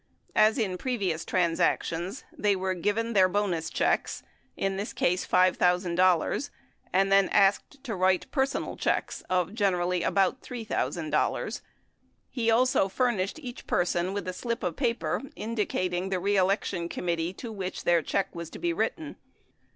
As in previous transactions, they were given their bonus checks— in this case $5,000 — and asked to write personal •checks of generally about $3,000. 21 He also furnished each person with a slip of paper indicating the reelection committee to which their check was to be written.